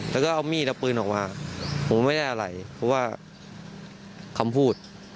แล้วก็เอามีดเอาปืนออกมาผมไม่ได้อะไรเพราะว่าคำพูด